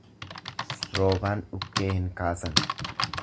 Roobaan dhukkee hin kaasan.